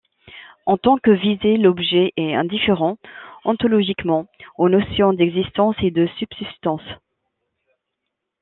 En tant que visé, l'objet est indifférent ontologiquement aux notions d'existence et de subsistance.